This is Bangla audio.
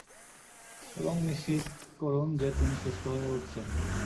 এবং নিশ্চিত করুন যে তিনি সুস্থ হয়ে উঠছেন।